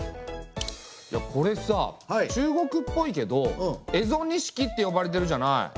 いやこれさ中国っぽいけど蝦夷錦って呼ばれてるじゃない？